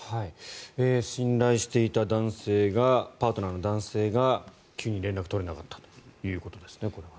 信頼していたパートナーの男性が急に連絡が取れなくなったということですね。